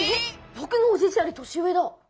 ぼくのおじいちゃんより年上だ。